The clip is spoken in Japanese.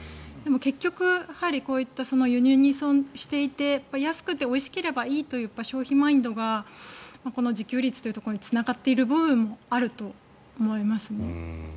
結局、やはりこういった輸入に依存していて安くておいしければいいという消費マインドがこの自給率というところにつながっている部分もあると思いますね。